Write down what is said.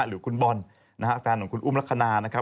หรือคุณบอลนะฮะแฟนของคุณอุ้มลักษณะนะครับ